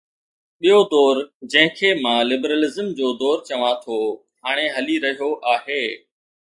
ٻيو دور، جنهن کي مان لبرلزم جو دور چوان ٿو، هاڻي هلي رهيو آهي.